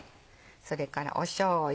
それからしょうゆ。